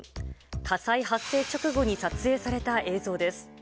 火災発生直後に撮影された映像です。